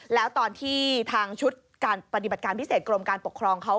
แล้วตอนที่ทางชุดการปฏิบัติการพิเศษกรมการปกครองเขา